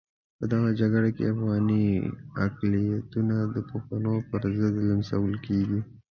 په دغه جګړه کې افغاني اقلیتونه د پښتنو پرضد لمسول کېږي.